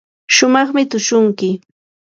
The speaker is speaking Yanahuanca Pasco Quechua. shumaqmi tushunki.